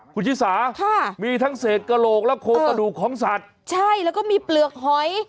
คุณชิสาค่ะมีทั้งเศษกระโหลกและโครงกระดูกของสัตว์ใช่แล้วก็มีเปลือกหอย